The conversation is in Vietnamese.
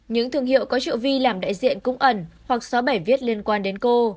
những thương hiệu có triệu vi làm đại diện cũng ẩn hoặc xóa bài viết liên quan đến cô